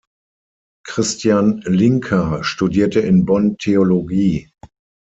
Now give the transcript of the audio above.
Christian Linker studierte in Bonn Theologie.